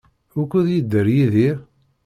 Wukud yedder Yidir?